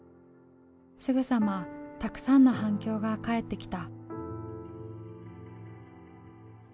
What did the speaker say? すぐさまたくさんの反響が返ってきた。